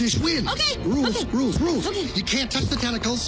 ＯＫ！